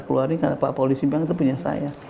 keluarin karena pak polri simpang itu punya saya